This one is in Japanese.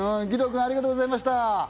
義堂君、ありがとうございました。